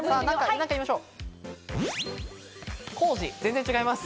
何か言いましょう。